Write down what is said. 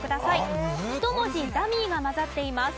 １文字ダミーが交ざっています。